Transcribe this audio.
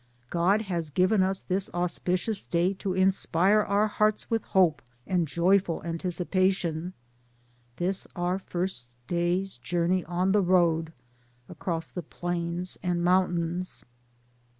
God has given us this auspicious day to inspire our hearts with hope and joy ful anticipation, this our first day's journey on the road across the plains and mountains.